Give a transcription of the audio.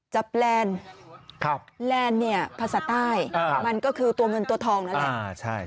แบบแหลนครับแหลนเนี่ยภาษาใต้มันก็คือตัวเงินตัวทองนะแหละอ่าใช่